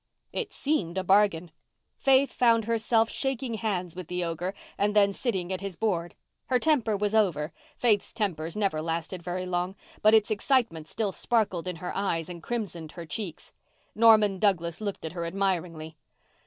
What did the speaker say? It seemed a bargain. Faith found herself shaking hands with the ogre and then sitting at his board. Her temper was over—Faith's tempers never lasted very long—but its excitement still sparkled in her eyes and crimsoned her cheeks. Norman Douglas looked at her admiringly.